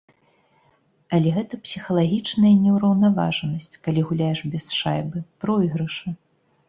Але гэта псіхалагічная неўраўнаважанасць, калі гуляеш без шайбы, пройгрышы!